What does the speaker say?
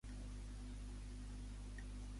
Què va firmar ahir Colau?